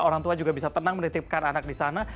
orang tua juga bisa tenang menitipkan anak di sana